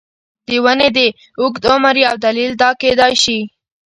د ونې د اوږد عمر یو دلیل دا کېدای شي.